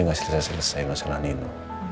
gak selesai selesai masalah nino